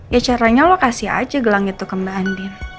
ya caranya lo kasih aja gelang itu ke mbak andi